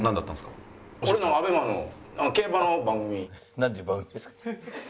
「なんていう番組ですか？」。